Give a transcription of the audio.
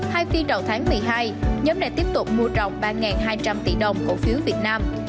hai phiên đầu tháng một mươi hai nhóm này tiếp tục mua rồng ba hai trăm linh tỷ đồng cổ phiếu việt nam